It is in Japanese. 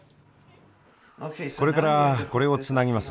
これからこれをつなぎます